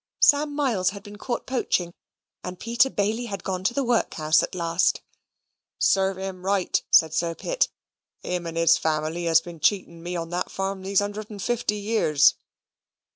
Sam Miles had been caught poaching, and Peter Bailey had gone to the workhouse at last. "Serve him right," said Sir Pitt; "him and his family has been cheating me on that farm these hundred and fifty years."